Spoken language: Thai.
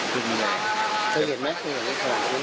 เจอเห็นไหมเคยเห็นอย่างนี้